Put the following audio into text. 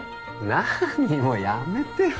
何もうやめてよ